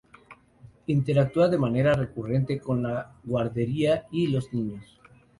Interactúa de manera recurrente con la guardería y los niños.